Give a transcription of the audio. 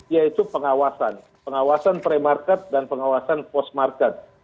yaitu pengawasan pengawasan pre market dan pengawasan post market